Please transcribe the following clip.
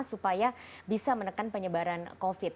supaya bisa menekan penyebaran covid